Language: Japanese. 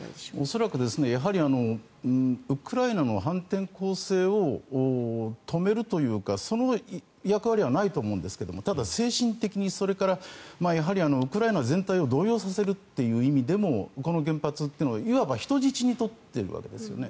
恐らくウクライナの反転攻勢を止めるというかその役割はないと思うんですがただ精神的にそれからウクライナ全体を動揺させるという意味でもこの原発というのはいわば人質に取っているわけですね。